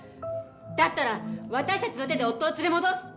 だったら、私たちの手で夫を連れ戻す！